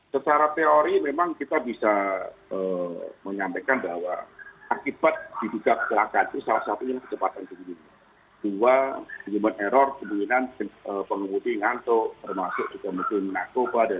secara teori memang kita bisa menyampaikan bahwa akibat diduga kecelakaan itu salah satunya kecepatan kegunaan